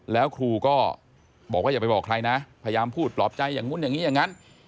แล้วครูก็บอกว่าอย่าไปบอกใครนะพยายามพูดปลอบใจอย่างนู้นอย่างนี้อย่างนั้น